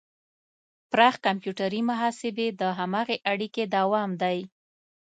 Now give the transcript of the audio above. پراخ کمپیوټري محاسبې د هماغې اړیکې دوام دی.